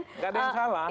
tidak ada yang salah